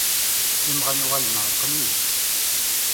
Imɣan, uɣalen εerqen-iyi.